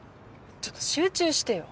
ちょっと集中してよ。